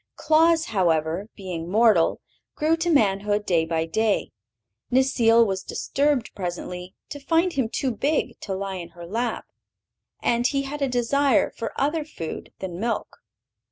Claus, however, being mortal, grew to manhood day by day. Necile was disturbed, presently, to find him too big to lie in her lap, and he had a desire for other food than milk.